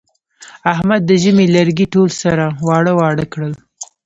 احمد د ژمي لرګي ټول سره واړه واړه کړل.